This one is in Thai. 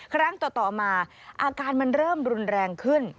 ครั้งต่อมาอาการมันเริ่มรุนแรงขึ้น